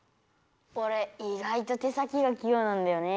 おれ意外と手先がき用なんだよね。